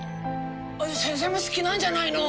先生も好きなんじゃないの？